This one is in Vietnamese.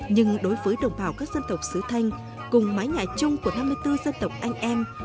nhưng đối với đồng bào các dân tộc sứ thanh cùng mái nhà chung của năm mươi bốn dân tộc anh em